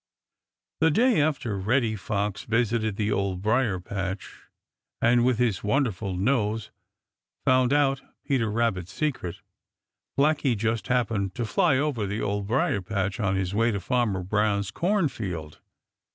The day after Reddy Fox visited the Old Briar patch and with his wonderful nose found out Peter Rabbit's secret, Blacky just happened to fly over the Old Briar patch on his way to Farmer Brown's cornfield.